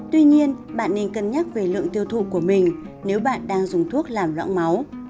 tuy nhiên bạn nên cân nhắc về lượng tiêu thụ của mình nếu bạn đang dùng thuốc làm lõng máu